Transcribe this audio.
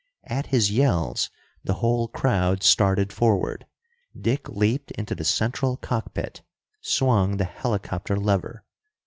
At his yells, the whole crowd started forward. Dick leaped into the central cockpit, swung the helicopter lever.